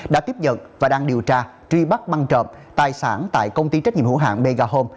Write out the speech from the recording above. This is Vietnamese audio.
đã tiếp nhận và đang điều tra truy bắt băng trộm tài sản tại công ty trách nhiệm hữu hạng megahome